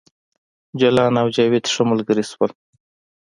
جلان او جاوید ښه ملګري شول